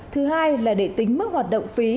thứ hai là để tính mức hoạt động phí